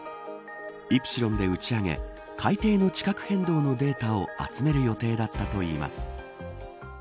イプシロンで打ち上げ海底の地殻変動のデータを集める予定だったといいます。